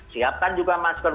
siapkan juga masker